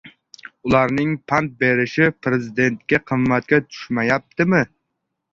Ularning pand berishi prezidentga qimmatga tushmayaptimi?